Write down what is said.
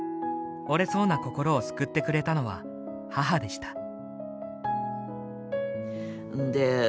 折れそうな心を救ってくれたのは母でした。